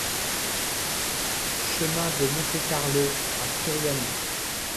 Chemin de Monte-Carlo à Furiani